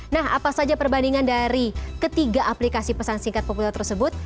nah apa saja perbandingan dari ketiga aplikasi pesan singkat populer tersebut